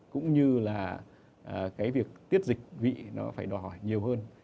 cũng như là cái việc tiết dịch vị nó phải đòi hỏi nhiều hơn